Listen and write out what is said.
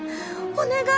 お願い！